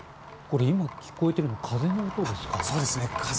今、聞こえているのは風の音ですか？